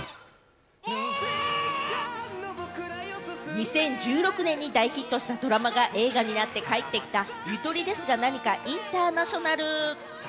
２０１６年に大ヒットしたドラマが映画になって帰ってきた『ゆとりですがなにかインターナショナル』。